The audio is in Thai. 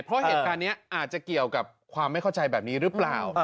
เพราะเหตุการณ์นี้อาจจะเกี่ยวกับความไม่เข้าใจแบบนี้หรือเปล่า